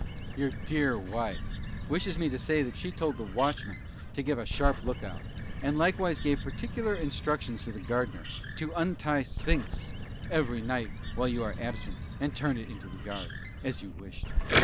Your dear Wife wishes me to say that she told the 'WATCHMAN' to give a sharp look out, and likewise gave particular injunctions to the Gardener to untie 'SPHYNX' every night while you are absent, and turn it into the yard, as you wished.